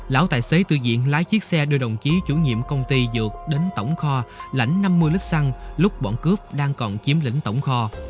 lão tài xế tư diện lái chiếc xe đưa đồng chí chủ nhiệm công ty dược đến tổng kho lãnh năm mươi lít xăng lúc bọn cướp đang còn chiếm lĩnh tổng kho